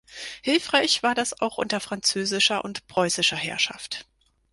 Hilfreich war das auch unter französischer und preußischer Herrschaft.